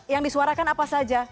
yang disuarakan apa saja